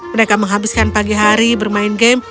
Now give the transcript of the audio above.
mereka menghabiskan pagi hari bermain game